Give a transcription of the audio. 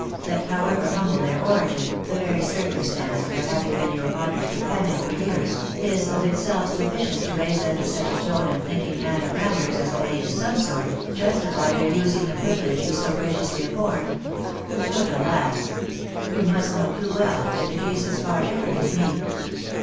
that however humble their origin, the very circumstance of their having been your honoured companions for years, is of itself sufficient to raise them to such a tone of thinking and of manners, as may, in some sort, justify their using the privilege you so graciously afford. But, alas ! You must know too well that the case is far different with me.